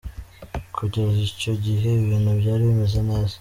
Kugeza icyo gihe ibintu byari bimeze neza.